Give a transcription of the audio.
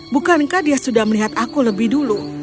bukankah dia sudah melihat aku lebih dulu